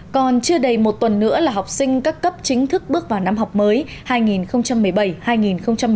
còn chưa đầy một tuần nữa là học sinh các cấp chính thức bước vào năm học mới hai nghìn một mươi bảy hai nghìn một mươi chín